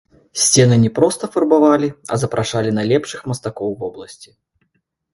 Сцены не проста фарбавалі, а запрашалі найлепшых мастакоў вобласці.